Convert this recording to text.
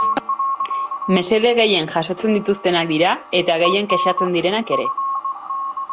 Mesede gehien jasotzen dituztenak dira eta gehien kexatzen direnak ere.